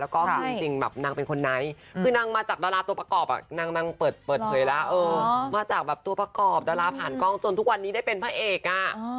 คนเลื้อทั่งครูคุณผู้ชมเห็นไม๊ค่ะ